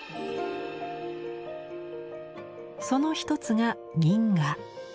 その一つが「民画」。